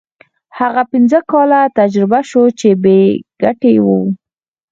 هغه پنځه کاله تجربه شو چې بې ګټې وو.